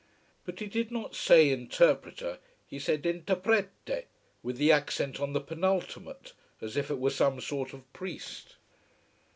But he did not say interpreter he said intreprete, with the accent on the penultimate, as if it were some sort of priest.